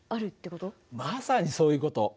まさにそういう事。